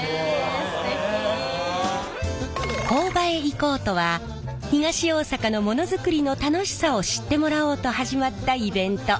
「こーばへ行こう！」とは東大阪のモノづくりの楽しさを知ってもらおうと始まったイベント。